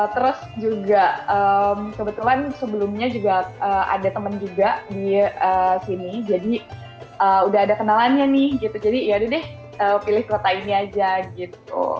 terus juga kebetulan sebelumnya juga ada teman juga di sini jadi udah ada kenalannya nih gitu jadi yaudah deh pilih kota ini aja gitu